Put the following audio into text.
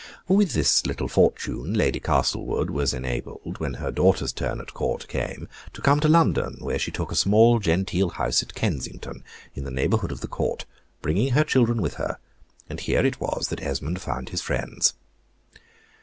With this little fortune Lady Castlewood was enabled, when her daughter's turn at Court came, to come to London, where she took a small genteel house at Kensington, in the neighborhood of the Court, bringing her children with her, and here it was that Esmond found his friends.